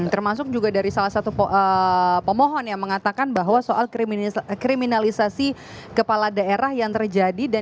termasuk juga dari salah satu pemohon yang mengatakan bahwa soal kriminalisasi kepala daerah yang terjadi